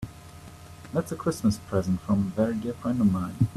That's a Christmas present from a very dear friend of mine.